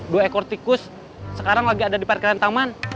dua ekor tikus sekarang lagi ada di parkiran taman